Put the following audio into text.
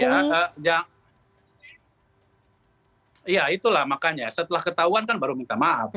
ya makanya saya gini ya ya itulah makanya setelah ketahuan kan baru minta maaf